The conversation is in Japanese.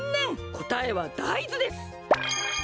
こたえはだいずです。